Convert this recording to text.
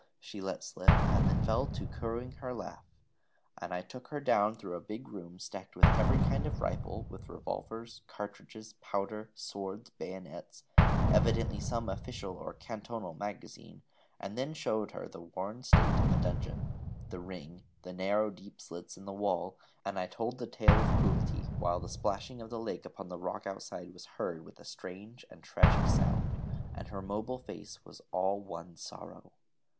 she let slip, and then fell to cooing her laugh; and I took her down through a big room stacked with every kind of rifle, with revolvers, cartridges, powder, swords, bayonets evidently some official or cantonal magazine and then showed her the worn stone in the dungeon, the ring, the narrow deep slits in the wall, and I told the tale of cruelty, while the splashing of the lake upon the rock outside was heard with a strange and tragic sound, and her mobile face was all one sorrow.